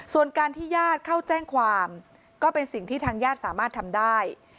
ส่วนการที่ญาติเข้าแจ้งความก็เป็นสิ่งที่ทางญาติสามารถทำได้